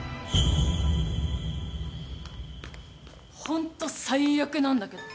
ホント最悪なんだけど。